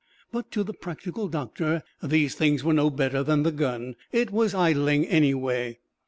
But to the practical Doctor these things were no better than the gun it was idling, anyway.